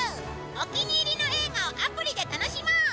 お気に入りの映画をアプリで楽しもう！